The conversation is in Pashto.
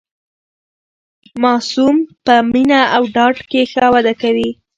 ماسوم په مینه او ډاډ کې ښه وده کوي.